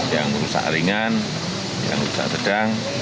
yang rusak ringan yang rusak sedang